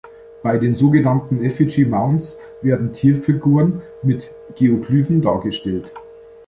Bei den sogenannten "effigy mounds" werden Tierfiguren mit Geoglyphen dargestellt.